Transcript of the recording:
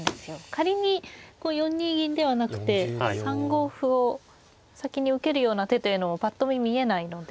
仮に４二銀ではなくて３五歩を先に受けるような手というのもぱっと見見えないので。